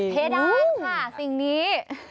เพดานค่ะสิ่งนี้